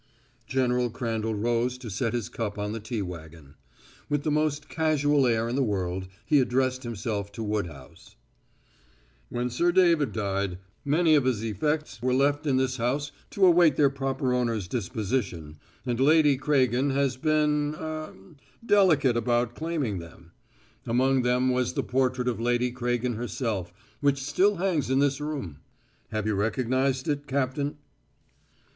General Crandall rose to set his cup on the tea wagon. With the most casual air in the world, he addressed himself to Woodhouse: "When Sir David died, many of his effects were left in this house to await their proper owner's disposition, and Lady Craigen has been er delicate about claiming them. Among them was the portrait of Lady Craigen herself which still hangs in this room. Have you recognized it, Captain?"